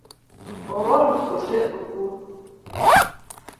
Ool kose otuo?